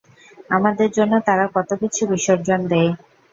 আমাদের জন্য তারা কতকিছু বিসর্জন দেয়!